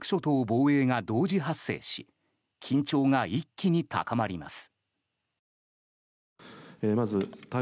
防衛が同時発生し緊張が一気に高まります。